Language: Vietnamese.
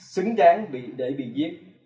xứng đáng để bị giết